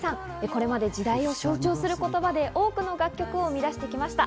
これまで時代を象徴する言葉で多くの楽曲を生み出してきました。